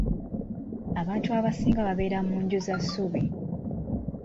Abantu abasinga babeera mu nju za ssubi.